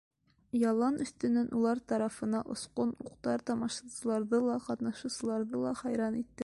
Ялан өҫтөнән улар тарафына осҡан уҡтар тамашасыларҙы ла, ҡатнашыусыларҙы ла хайран итте.